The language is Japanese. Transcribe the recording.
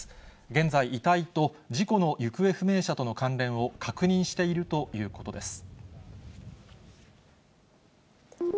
現在、遺体と事故の行方不明者との関連を確認しているということです。